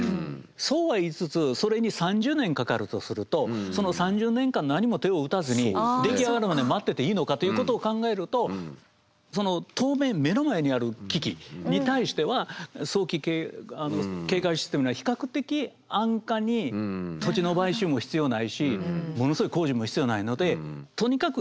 そうは言いつつそれに３０年かかるとするとその３０年間何も手を打たずに出来上がるまで待ってていいのかということを考えるとその当面目の前にある危機に対しては早期警戒システムが比較的安価に土地の買収も必要ないしものすごい工事も必要ないのでとにかく